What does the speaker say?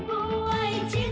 mbak mbak mbak